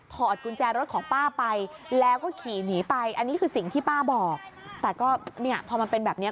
อดกุญแจรถของป้าไปแล้วก็ขี่หนีไปอันนี้คือสิ่งที่ป้าบอกแต่ก็เนี่ยพอมันเป็นแบบเนี้ย